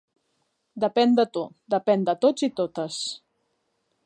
Depèn de tu, depèn de tots i totes.